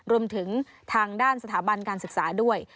รวมถึงทางด้านสถาบันการศึกษาด้วย